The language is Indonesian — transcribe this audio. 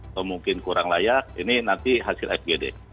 atau mungkin kurang layak ini nanti hasil fgd